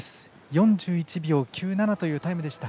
４１秒９７というタイムでした。